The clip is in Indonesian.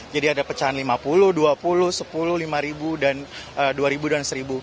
jadi ada pecahan lima puluh dua puluh sepuluh lima ribu dua ribu dan seribu